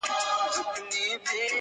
• د ژوندون به نوی رنگ وي نوی خوند وي -